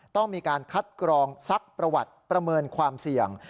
ต้องมีการคัดกรองซักประวัติประเมินความเสี่ยง